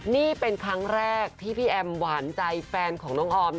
นี่เป็นครั้งแรกที่พี่แอมหวานใจแฟนของน้องออม